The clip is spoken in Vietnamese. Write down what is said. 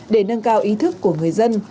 để nâng cao ý thức của người dân